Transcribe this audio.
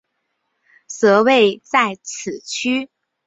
则位在此区。